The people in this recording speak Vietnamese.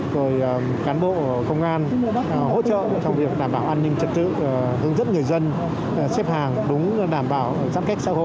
thì cán bộ công an hỗ trợ trong việc đảm bảo an ninh trật tự hướng dẫn người dân xếp hàng đúng đảm bảo giám kết xã hội